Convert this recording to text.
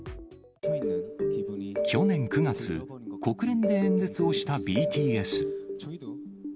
去年９月、国連で演説をしたＢＴＳ。